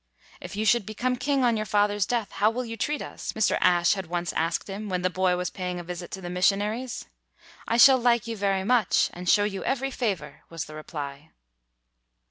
"If you should become king on your father's death, how will you treat us?" Mr. Ashe had once asked him when the boy was paying a visit to the missionaries. "I shall like you very much, and show you every favor, '' was the reply.